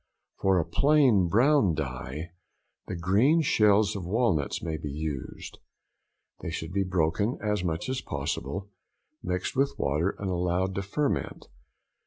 For a plain brown dye, the green shells of walnuts may be used. They should be broken as much as possible, mixed with water, and allowed to ferment.